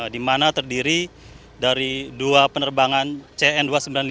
di mana terdiri dari dua penerbangan cn dua ratus sembilan puluh lima